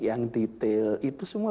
yang detail itu semua